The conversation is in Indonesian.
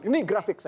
ini grafik saya